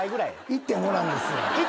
１．５なんですよ。